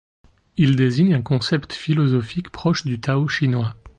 Il désigne un concept philosophique proche du tao chinois.